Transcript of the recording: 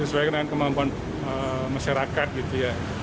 ya kalau memang harus ya pasti